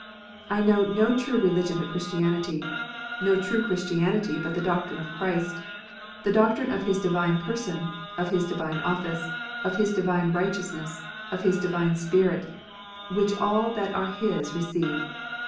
"I know no true religion but Christianity ; no true Christianity but the doctrine of Christ ; the doctrine of His divine person, of His divine office, of His divine righteousness, and of His divine Spirit, which all that are His receive.